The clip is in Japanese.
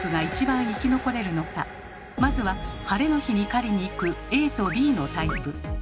まずは晴れの日に狩りに行くＡとＢのタイプ。